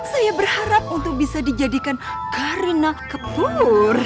saya berharap untuk bisa dijadikan karina kepur